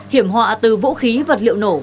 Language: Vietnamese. hiểm họa từ vũ khí vật liệu nổ